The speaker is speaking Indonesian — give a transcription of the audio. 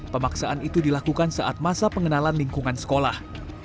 pemaksaan itu dilakukan saat masa pengenalan lingkungan sekolah